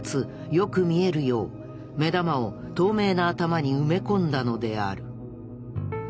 よく見えるよう目玉を透明な頭に埋め込んだのである。